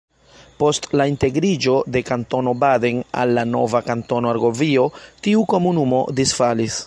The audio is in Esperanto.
Post la integriĝo de Kantono Baden al la nova Kantono Argovio, tiu komunumo disfalis.